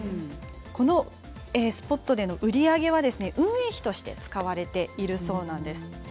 このスポットの売り上げは運営費として使われているそうです。